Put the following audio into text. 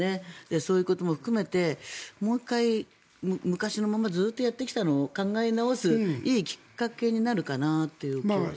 そういうことも含めて、もう１回昔のままずっとやってきたのを考え直すいいきっかけになるかなという気はして。